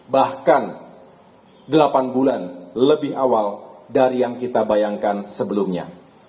bahkan delapan bulan lebih awal dari yang kita bayangkan sebelumnya